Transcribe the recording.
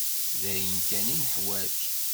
D ayen kan i nuḥwaǧ?